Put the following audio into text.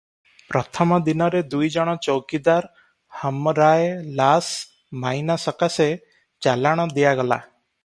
ପ୍ରଥମ ଦିନରେ ଦୁଇ ଜଣ ଚୌକିଦାର ହମରାଏ ଲାସ୍ ମାଇନା ସକାଶେ ଚାଲାଣ ଦିଆଗଲା ।